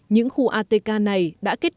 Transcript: những khu atk này đã kết thúc